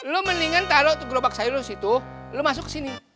lu mendingan taro gerobak sayur lu situ lu masuk ke sini